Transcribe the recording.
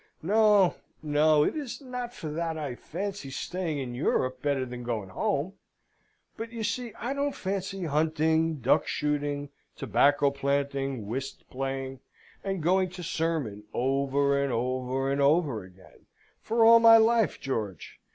No! no! It is not for that I fancy staying in Europe better than going home. But, you see, I don't fancy hunting, duck shooting, tobacco planting, whist playing, and going to sermon, over and over and over again, for all my life, George.